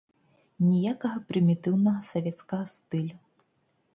Ніякага прымітыўнага савецкага стылю.